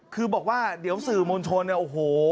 คือบอกว่าเดี๋ยวสื่อมวลชนเนี่ยโอ้โห